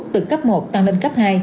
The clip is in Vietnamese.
từ cấp một tăng lên cấp hai